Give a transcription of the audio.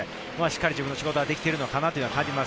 しっかり自分の仕事ができてるのかなと感じます。